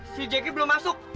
si jackie belum masuk